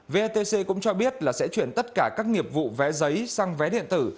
vetc cũng cho biết là sẽ chuyển tất cả các nghiệp vụ vé giấy sang vé điện tử